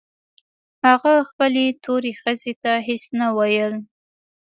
هغه خپلې تورې ښځې ته هېڅ نه ويل.